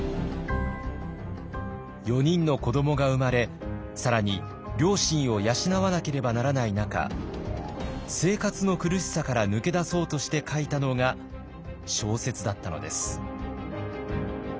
４人の子どもが生まれ更に両親を養わなければならない中生活の苦しさから抜け出そうとして書いたのが小説だったのです。